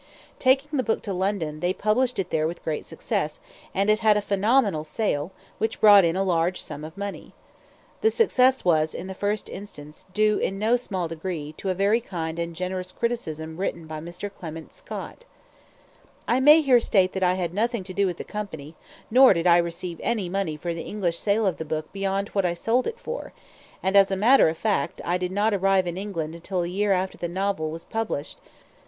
Taking the book to London, they published it there with great success, and it had a phenomenal sale, which brought in a large sum of money. The success was, in the first instance, due, in no small degree, to a very kind and generous criticism written by Mr. Clement Scott. I may here state that I had nothing to do with the Company, nor did I receive any money for the English sale of the book beyond what I sold it for; and, as a matter of fact, I did not arrive in England until a year after the novel was published.